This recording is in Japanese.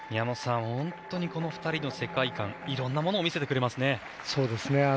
本当にこの２人の世界観色んなものを見せてくれますね。